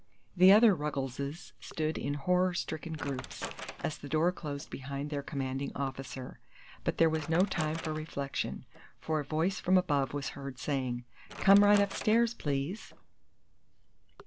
The other Ruggleses stood in horror stricken groups as the door closed behind their commanding officer; but there was no time for reflection, for a voice from above was heard, saying, "Come right up stairs, please!"